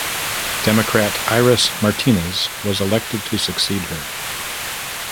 Democrat Iris Martinez was elected to succeed her.